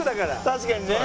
確かにね。